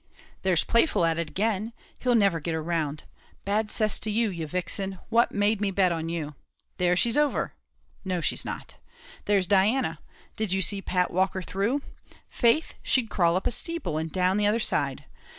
"There's Playful at it again he'll never get her round. Bad cess to you, you vixen what made me bet on you? There, she's over no she's not; there's Diana did you see Pat walk her through? Faith, she'd crawl up a steeple, and down the other side.